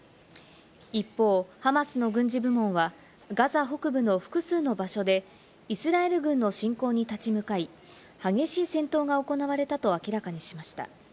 一方、ハマスの軍事部門は、ガザ北部の複数の場所でイスラエル軍の侵攻に立ち向かい、激しい戦闘が行われたと明らかにしました。